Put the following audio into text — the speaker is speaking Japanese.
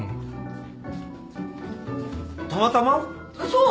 そう。